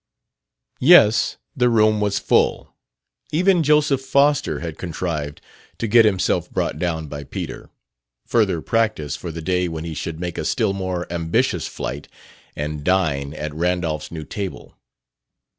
Yes, the room was full. Even Joseph Foster had contrived to get himself brought down by Peter: further practice for the day when he should make a still more ambitious flight and dine at Randolph's new table.